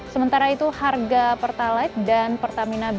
sementara itu harga pertalite dan pertamina b